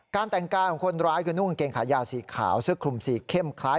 แต่งกายของคนร้ายคือนุ่งกางเกงขายาวสีขาวเสื้อคลุมสีเข้มคล้าย